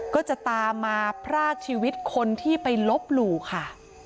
ก็จะตามมาพรากชีวิตคนที่ไปลบหลู่ค่ะ